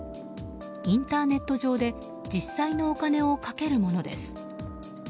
インターネット上で実際のお金を賭けるものです。